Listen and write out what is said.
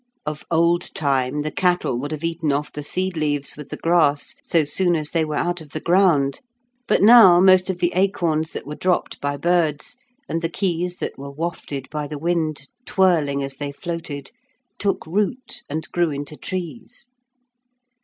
Of old time the cattle would have eaten off the seed leaves with the grass so soon as they were out of the ground, but now most of the acorns that were dropped by birds, and the keys that were wafted by the wind, twirling as they floated, took root and grew into trees.